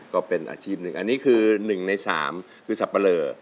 ก็เป็นอาชีพหนึ่งอันนี้คือ๑ใน๓คือสับปะเลอ